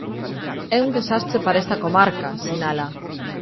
"É un desastre para esta comarca", sinala.